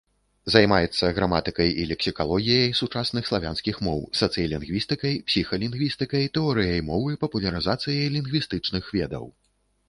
Займаецца граматыкай і лексікалогіяй сучасных славянскіх моў, сацыялінгвістыкай, псіхалінгвістыкай, тэорыяй мовы, папулярызацыяй лінгвістычных ведаў.